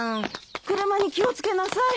車に気を付けなさい。